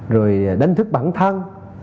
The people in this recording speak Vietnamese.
rồi đánh thức bản thân